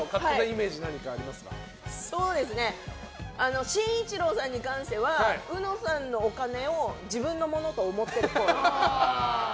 お二人の伸一郎さんに関してはうのさんのお金を自分のものと思ってるっぽい。